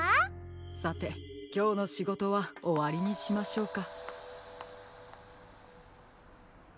・さてきょうのしごとはおわりにしましょうか。